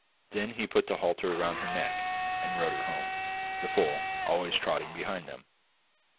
Then he put the halter round her neck, and rode her home, the foal always trotting behind them.